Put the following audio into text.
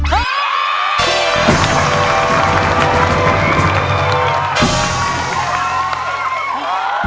สู้